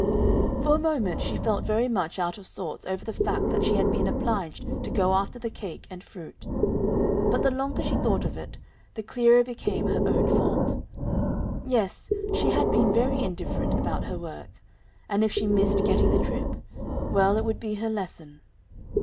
For a moment she felt very much out of sorts over the fact that she had been obliged to go after the cake and fruit, but the longer she thought of it the clearer became her own fault. Yes, she had been very indifferent about her work. And if she missed getting the trip well, it would be her lesson.